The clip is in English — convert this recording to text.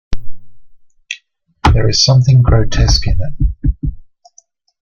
There is something grotesque in it.